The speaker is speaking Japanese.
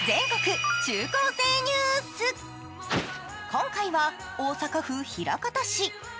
今回は大阪府枚方市。